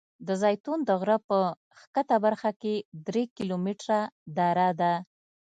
د زیتون د غره په ښکته برخه کې درې کیلومتره دره ده.